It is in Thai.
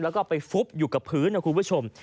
แล้วก็ไปฟุบอยู่กับพื้นนะคุณผู้ชม